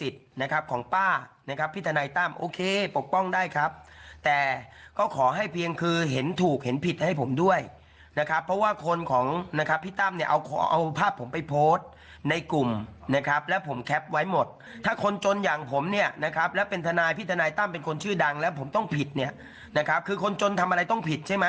ธนายตั้มเหมือนกันเอาฟังปู่มหาหมุนีหรือชายรัฐยอดพรม